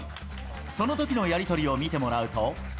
そのときのやり取りを見てもらうと。